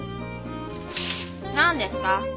何ですか？